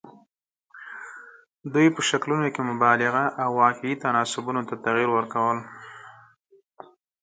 دوی په شکلونو کې مبالغه او واقعي تناسبونو ته تغیر ورکول.